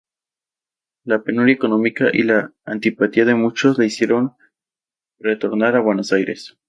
La penuria económica y la antipatía de muchos la hicieron retornar a Buenos Aires.